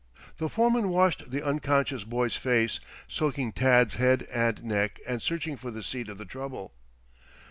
The foreman washed the unconscious boy's face, soaking Tad's head and neck and searching for the seat of the trouble.